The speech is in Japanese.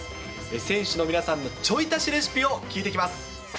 選手の皆さんのちょい足しレシピを聞いてきます。